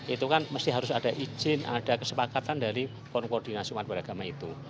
itu kan mesti harus ada izin ada kesepakatan dari koordinasi umat beragama itu